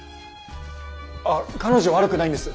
ああ彼女は悪くないんです。